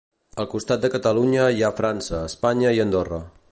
Al costat de Catalunya hi ha França, Espanya i Andorra.